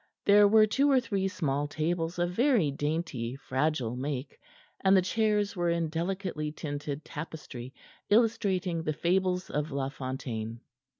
There were two or three small tables of very dainty, fragile make, and the chairs were in delicately tinted tapestry illustrating the fables of La Fontaine.